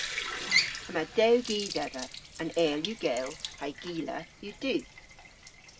Yma dew gi dhedha. An eyl yw gell ha'y gila yw du.